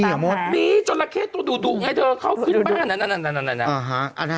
อย่าตามค่ะอันนี้จอหละเข้ตัวดูไงเธอเข้าขึ้นบ้านนั่น